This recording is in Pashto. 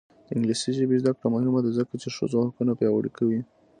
د انګلیسي ژبې زده کړه مهمه ده ځکه چې ښځو حقونه پیاوړي کوي.